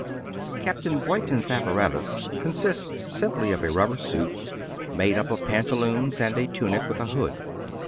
Capt. Boyton*s apparatus consists simply of a rubber suit, made up of pantaloons and a tunic with a hood.